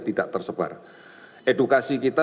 tidak tersebar edukasi kita